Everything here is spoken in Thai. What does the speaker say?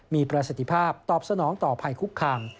มีประสิทธิภาพตอบสนองต่อภัยคุกคาม